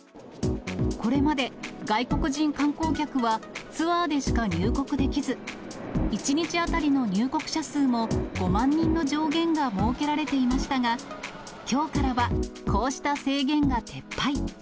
これまで外国人観光客はツアーでしか入国できず、１日当たりの入国者数も、５万人の上限が設けられていましたが、きょうからはこうした制限が撤廃。